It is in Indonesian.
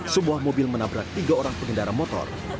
sebuah mobil menabrak tiga orang pengendara motor